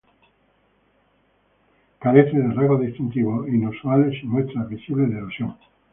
Carece de rasgos distintivos inusuales, sin muestras visibles de erosión.